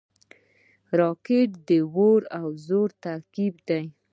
راکټ د اور او زور ترکیب دی